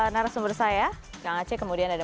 narasumber saya kang aceh kemudian ada